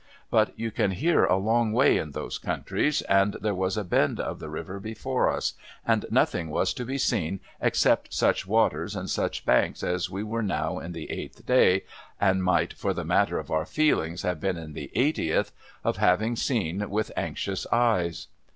But, you can hear a long way in those countries, and there was a bend of the river before us, and nothing was to be seen except such waters and such banks as we were now in the eighth day (and might, for the matter of our feelings, have been in the eightieth), of having seen with anxious eyes.